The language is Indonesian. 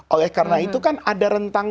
oleh karena itu kan ada rentang